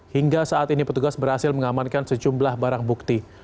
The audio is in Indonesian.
hingga saat ini petugas berhasil mengamankan sejumlah barang bukti